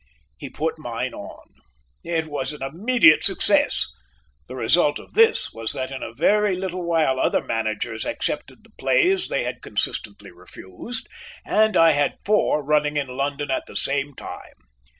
He put mine on. It was an immediate success. The result of this was that in a very little while other managers accepted the plays they had consistently refused, and I had four running in London at the same time.